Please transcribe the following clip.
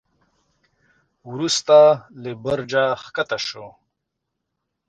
وروسته له برجه کښته شو.